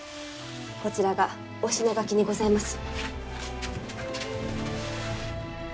こちらがおしながきにございます。